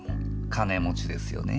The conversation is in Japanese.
金持ちですよねぇ。